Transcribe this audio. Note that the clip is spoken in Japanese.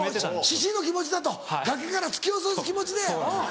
獅子の気持ちだと崖から突き落とす気持ちでうん。